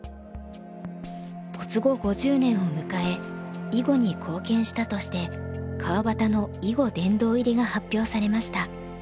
没後５０年を迎え囲碁に貢献したとして川端の囲碁殿堂入りが発表されました。